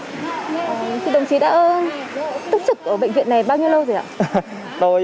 thì đồng chí đã túc trực ở bệnh viện này bao nhiêu lâu rồi ạ